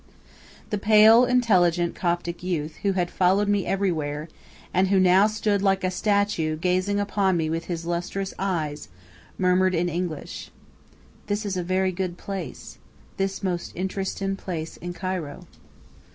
The pale, intelligent Coptic youth, who had followed me everywhere, and who now stood like a statue gazing upon me with his lustrous eyes, murmured in English, "This is a very good place; this most interestin' place in Cairo."